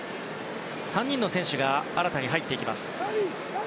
３人の選手が新たに入っていきます。